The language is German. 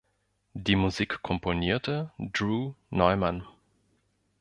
Die Musik komponierte Drew Neumann.